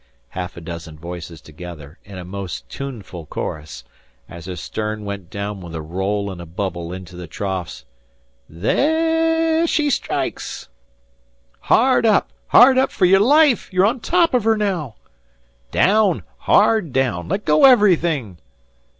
Half a dozen voices together, in a most tuneful chorus, as her stern went down with a roll and a bubble into the troughs: "Thay aah she strikes!" "Hard up! Hard up fer your life! You're on top of her now." "Daown! Hard daown! Let go everything!"